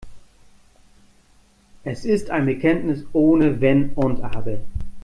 Es ist ein Bekenntnis ohne Wenn und Aber.